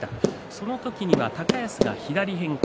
その時、高安が左に変化